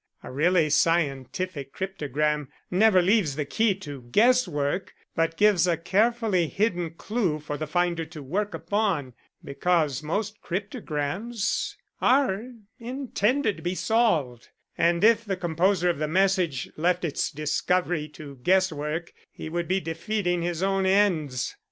A really scientific cryptogram never leaves the key to guesswork, but gives a carefully hidden clue for the finder to work upon; because most cryptograms are intended to be solved, and if the composer of the message left its discovery to guesswork he would be defeating his own ends.